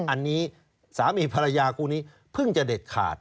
อันนี้สามีภรรยาคู่นี้เพิ่งจะเด็ดขาด